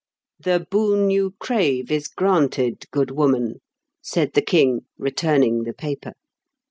"The boon you crave is granted, good woman," said the King, returning the paper.